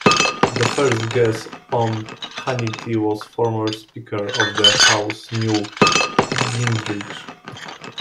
The first guest on "Hannity" was former Speaker of the House Newt Gingrich.